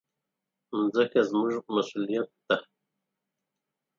مځکه زموږ مسؤلیت ده.